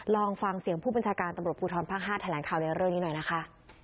ลองฟังเสียงผู้บริษัการณ์ตำรวจผู้ท้อนภาคห้าไทยล้านคาวในเรื่องนี้หน่อยนะคะ